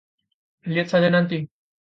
Lihat saja nanti!